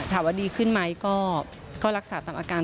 ถามว่าดีขึ้นไหมก็รักษาตามอาการ